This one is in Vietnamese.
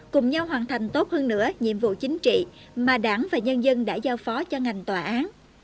cùng nhau hoàn thành tốt hơn nữa nhiệm vụ chính trị mà đảng và nhân dân đã giao phó cho ngành tòa án